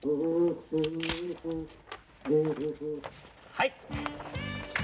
はい。